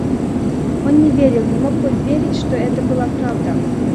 Он не верил, не мог верить, что это была правда.